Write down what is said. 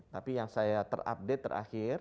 tapi yang saya terupdate terakhir